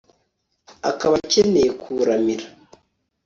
akaba akeneye kuwuramira